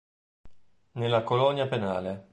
Nella colonia penale".